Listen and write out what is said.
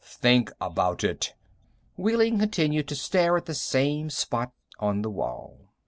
Think of it!" Wehling continued to stare at the same spot on the wall.